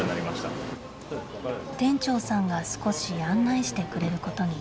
店長さんが少し案内してくれることに。